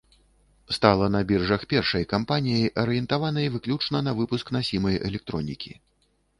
Стала на біржах першай кампаніяй, арыентаванай выключна на выпуск насімай электронікі.